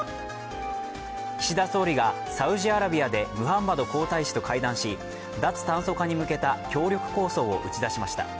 岸田総理がサウジアラビアでムハンマド皇太子と会談し脱炭素化に向けた協力構想を打ち出しました。